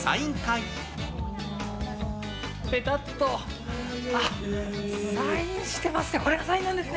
ぺたっとサインしてますね。